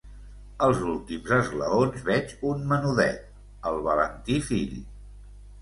Als últims esglaons veig un menudet, el Valentí fill.